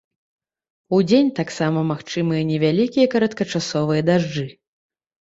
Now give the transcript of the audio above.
Удзень таксама магчымыя невялікія кароткачасовыя дажджы.